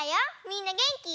みんなげんき？